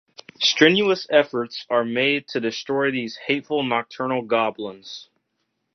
Strenuous efforts are made to destroy these hateful nocturnal goblins.